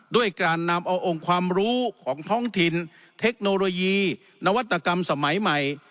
ด้วยการนำเอาองค์ความรู้ของท้องถิ่นเทคโนโลยีนวัตกรรมสมัยใหม่